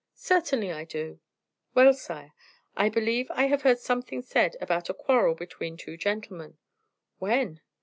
"Certainly I do." "Well, sire, I believe I have heard something said about a quarrel between two gentlemen." "When?"